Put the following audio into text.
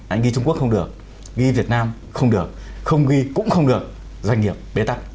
anh ghi trung quốc không được ghi việt nam không được không ghi cũng không được doanh nghiệp bế tắc